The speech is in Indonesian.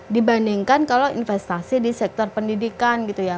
dibandingkan kalau investasi di sektor pendidikan gitu ya